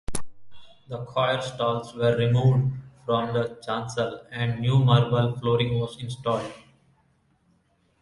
The choir stalls were removed from the chancel and new marble flooring was installed.